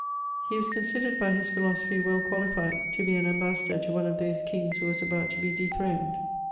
He was considered by his philo sophy well qualified to be an ambassador to one of those kings who was about to be dethroned.